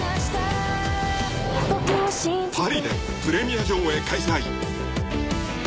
［パリでプレミア上映開催］